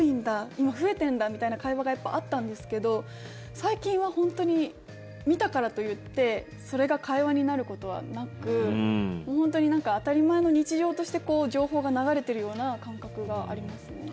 今、増えてるんだみたいな会話があったんですけど最近は本当に、見たからといってそれが会話になることはなく本当に当たり前の日常として情報が流れているような感覚がありますね。